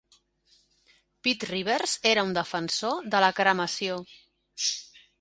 Pitt Rivers era un defensor de la cremació.